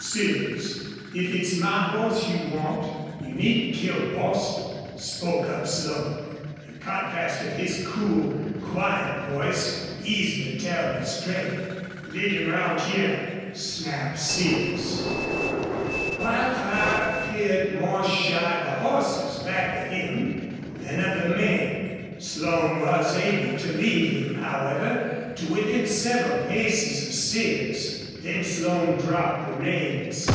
"Sears, if it's my horse you want you needn't kill Bostil," spoke up Slone. The contrast of his cool, quiet voice eased the terrible strain. "Lead him round hyar!" snapped Sears. Wildfire appeared more shy of the horses back of him than of the men. Slone was able to lead him, however, to within several paces of Sears. Then Slone dropped the reins.